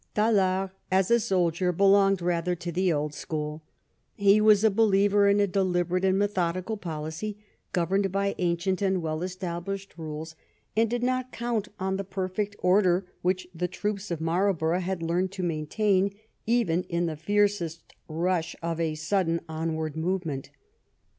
Tallard as a soldier belonged rather to the old school; he was a believer in a deliberate and methodical policy, governed by ancient and well established rules, and did not count on the perfect order which the troops of Marlborough had learned to main tain even in the fiercest rush of a sudden onward move ment.